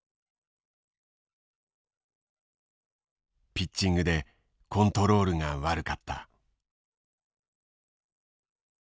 「ピッチングでコントロールがわるかった」。